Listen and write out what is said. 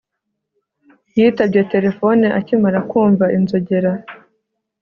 yitabye terefone akimara kumva inzogera